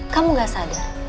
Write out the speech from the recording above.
kamu gak sadar